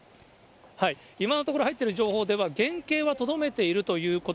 今のところ、入っている情報では原形はとどめているというこ